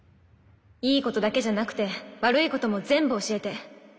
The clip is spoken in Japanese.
いいことだけじゃなくて悪いことも全部教えて。